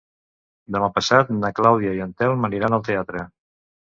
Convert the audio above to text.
Demà passat na Clàudia i en Telm aniran al teatre.